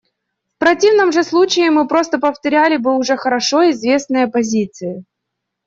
В противном же случае мы просто повторяли бы уже хорошо известные позиции.